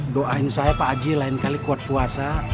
doain saya pak haji lain kali kuat puasa